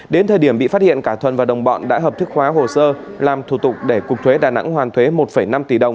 đến thời điểm bị phát hiện cả thuần và đồng bọn đã hợp thức hóa hồ sơ làm thủ tục để cục thuế đà nẵng hoàn thuế một năm tỷ đồng